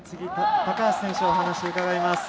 高橋選手にお話を伺います。